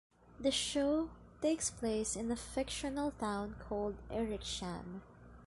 The show takes place in a fictional town called Erikshamn.